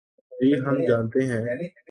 جی ہم جانتے ہیں۔